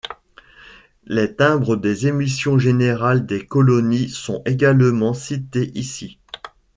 Les timbres des émissions générales des colonies sont également cités ici.